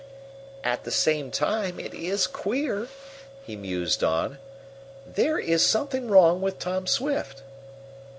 "At the same time, it is queer," he mused on. "There is something wrong with Tom Swift."